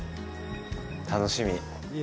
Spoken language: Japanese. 楽しみ。